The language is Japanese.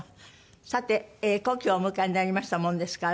さて古希をお迎えになりましたものですから。